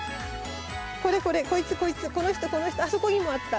これこれこいつこいつこの人この人あそこにもあった。